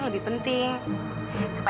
ya aku juga